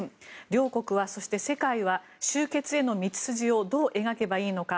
両国はそして、世界は終結への道筋をどう描けばいいのか。